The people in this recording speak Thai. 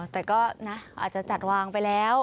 แต่ก็นะอาจจะจัดวางไปแล้ว